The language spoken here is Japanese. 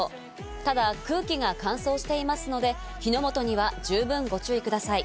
ただ空気が乾燥していますので、火の元には十分ご注意ください。